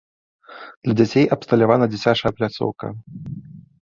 Для дзяцей абсталявана дзіцячая пляцоўка.